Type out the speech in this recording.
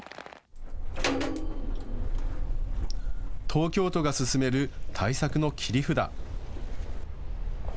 東京都が進める対策の切り札。